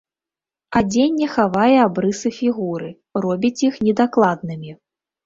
Адзенне хавае абрысы фігуры, робіць іх недакладнымі.